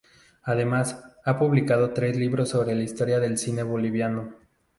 Además, ha publicado tres libros sobre la historia del cine boliviano.